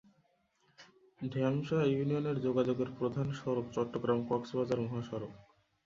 ঢেমশা ইউনিয়নে যোগাযোগের প্রধান সড়ক চট্টগ্রাম-কক্সবাজার মহাসড়ক।